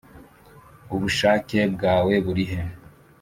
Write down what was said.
ubushake bwawe burihe